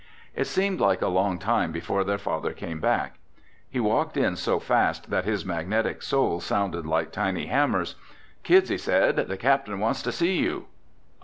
It seemed like a long time before their father came back. He walked in so fast that his magnetic shoes sounded like tiny hammers. "Kids," he said, "the captain wants to see you."